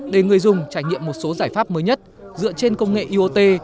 để người dùng trải nghiệm một số giải pháp mới nhất dựa trên công nghệ iot